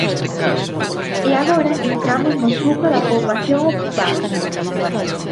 E agora entramos no truco da poboación ocupada.